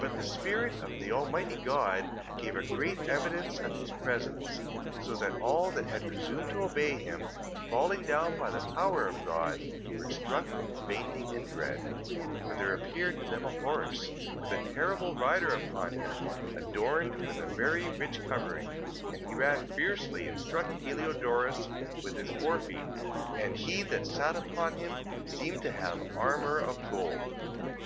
3:24. But the spirit of the Almighty God gave a great evidence of his presence, so that all that had presumed to obey him, falling down by the power of God, were struck with fainting and dread. 3:25. For there appeared to them a horse, with a terrible rider upon him, adorned with a very rich covering: and he ran fiercely and struck Heliodorus with his fore feet, and he that sat upon him seemed to have armour of gold.